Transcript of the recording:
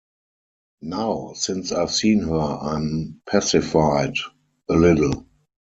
Now, since I’ve seen her, I’m pacified — a little.